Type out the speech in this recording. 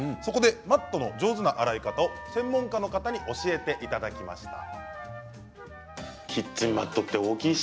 マットの上手な洗い方を専門家の方に教えていただきました。